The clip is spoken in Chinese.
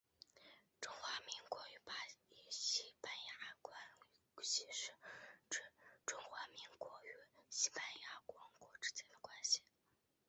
中华民国与西班牙关系是指中华民国与西班牙王国之间的关系。